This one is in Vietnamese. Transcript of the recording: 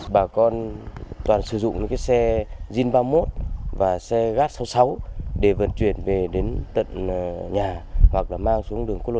bà con toàn sử dụng những cái xe jin ba mươi một và xe gas sáu mươi sáu để vận chuyển về đến tận nhà hoặc là mang xuống đường quốc lộ một